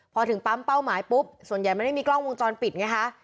พอถึงปั๊มเป้าหมายปุ๊บส่วนใหญ่มันไม่มีกล้องวงจรปิดไงคะ